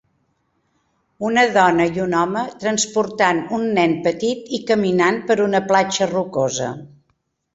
Una dona i un home transportant un nen petit i caminant per una platja rocosa.